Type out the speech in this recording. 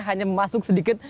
hanya masuk sedikit